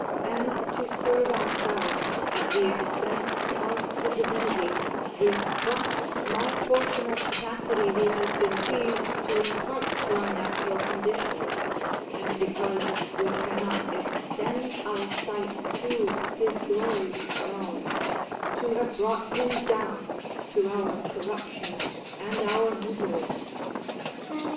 And to serve ourselves, at the expense of the divinity, with what small portion of capacity he has been pleased to impart to our natural condition; and because we cannot extend our sight to his glorious throne, to have brought him down to our corruption and our miseries?